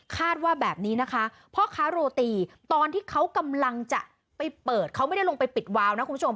ว่าแบบนี้นะคะพ่อค้าโรตีตอนที่เขากำลังจะไปเปิดเขาไม่ได้ลงไปปิดวาวนะคุณผู้ชม